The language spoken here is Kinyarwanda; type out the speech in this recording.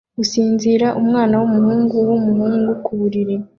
gusinzira umwana wumuhungu wumuhungu ku buriri